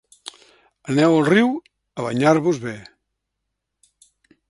Aneu al riu a banyar-vos be.